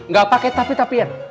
gak pakai tapi tapi ya